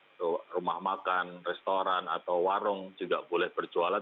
jadi rumah makan restoran atau warung juga boleh berjualan